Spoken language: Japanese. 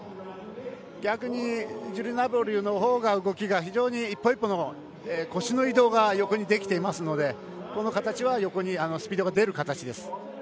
逆にジェリナ・ボーリウのほうが動きが非常に１歩１歩の腰の移動が横に出てきていますのでこの形は、横にスピードが出る形です。